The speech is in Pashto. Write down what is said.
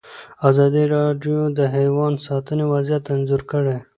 ازادي راډیو د حیوان ساتنه وضعیت انځور کړی.